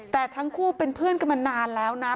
แต่ทั้งคู่เป็นเพื่อนกันมานานแล้วนะ